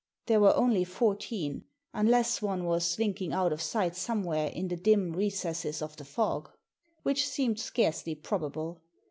There were only fourteen, unless one was slinking out of sight somewhere in the dim recesses of the fog, which seemed scarcely probable.